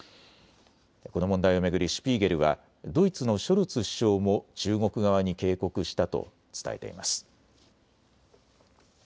この問題を巡りシュピーゲルはドイツのショルツ首相も中国側に警告したと伝えています。